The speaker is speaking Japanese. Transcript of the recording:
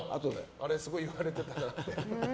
あれ、すごい言われてたなって。